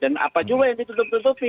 dan apa juga yang ditutup tutupi